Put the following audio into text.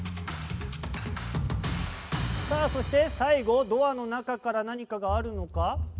さぁ、そして、最後、ドアの中から何かがあるのか？